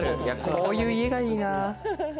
こういう家がいいなぁ。